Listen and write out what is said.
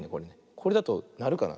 これだとなるかな。